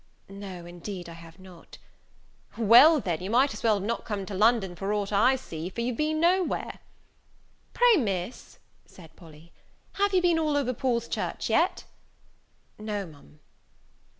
"No, indeed, I have not." "Why, then, you might as well not have come to London for aught I see, for you've been no where." "Pray, Miss," said Polly, "have you been all over Paul's Church yet?" "No, Ma'am."